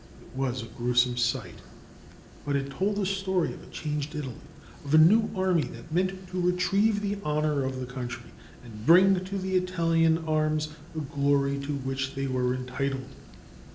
It was a gruesome sight, but it told the story of a changed Italy, of a new army that meant to retrieve the honor of the country, and bring to the Italian arms the glory to which they were entitled.